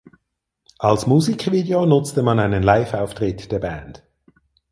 Als Musikvideo nutzte man einen Liveauftritt der Band.